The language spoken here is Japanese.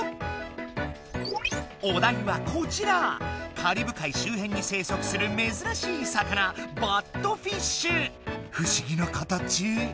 カリブ海周辺に生息するめずらしい魚ふしぎな形。